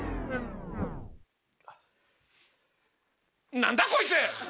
何だこいつ！